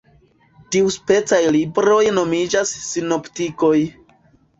Tiuspecaj libroj nomiĝas sinoptikoj.